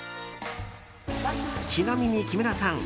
ちなみに木村さん